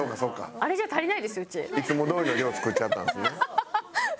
そうかそうか。いつもどおりの量作っちゃったんですね。